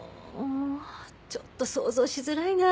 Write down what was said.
ちょっと想像しづらいな。